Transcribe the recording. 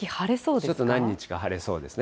ちょっと何日か晴れそうですね。